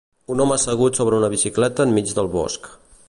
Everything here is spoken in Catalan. Un home assegut sobre una bicicleta enmig del bosc